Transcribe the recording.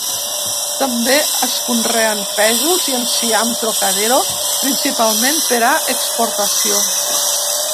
També es conreen pèsols i enciam "trocadero", principalment per a exportació.